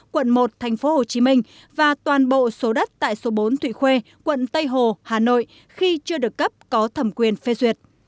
quận một tp hcm và toàn bộ số đất tại số bốn thụy khuê quận tây hồ hà nội khi chưa được cấp có thẩm quyền phê duyệt